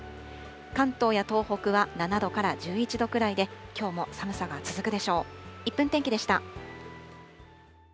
関東や東北は７度から１１度くらいで、きょうも寒さが続くでしょう。